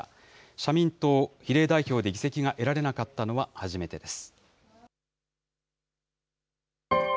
社民党、比例代表で議席が得られなかったのは初めてです。